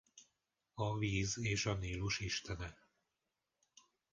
A víz és a Nílus istene.